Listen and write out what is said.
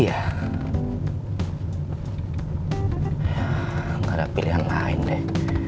ya nggak ada pilihan lain deh